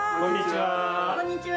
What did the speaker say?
こんにちは。